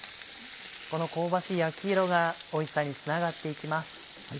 この香ばしい焼き色がおいしさにつながって行きます。